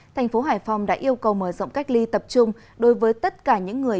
thành phố hải phòng đã yêu cầu mở rộng cách ly tập trung đối với tất cả những người